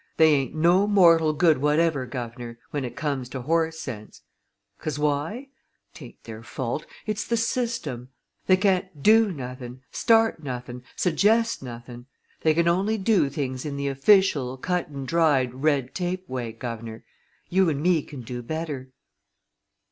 They ain't no mortal good whatever, guv'nor, when it comes to horse sense! 'Cause why? 'Tain't their fault it's the system. They can't do nothing, start nothing, suggest nothing! they can only do things in the official, cut and dried, red tape way, Guv'nor you and me can do better."